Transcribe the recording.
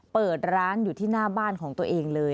เปิดร้านอยู่ที่หน้าบ้านของตัวเองเลย